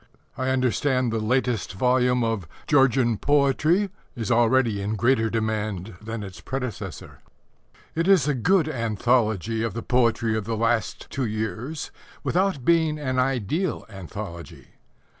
I understand the latest volume of Georgian Poetry is already in greater demand than its predecessor. It is a good anthology of the poetry of the last two years without being an ideal anthology.